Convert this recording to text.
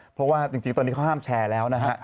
เพราะว่าจริงตอนนี้เขาห้ามแชร์แล้วนะฮะ